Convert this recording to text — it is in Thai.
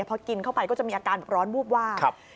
พอกินเข้าไปก็จะมีอาการแบบร้อนวูบวาบ